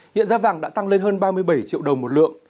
hiện giá vàng đã tăng lên hơn ba mươi bảy triệu đồng một lượng